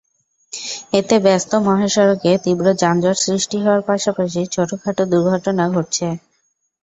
এতে ব্যস্ত মহাসড়কে তীব্র যানজন সৃষ্টি হওয়ার পাশাপাশি ছোটখাটো দুর্ঘটনা ঘটছে।